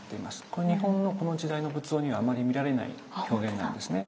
これ日本のこの時代の仏像にはあまり見られない表現なんですね。